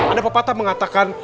ada pepatah mengatakan